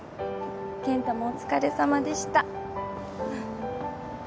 健太もお疲れさまでした。